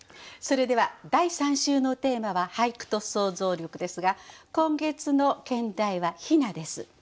それでは第３週のテーマは「俳句と想像力」ですが今月の兼題は「雛」です。